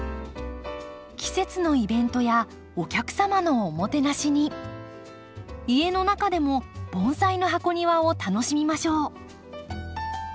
季節のイベントやお客様のおもてなしに家の中でも盆栽の箱庭を楽しみましょう。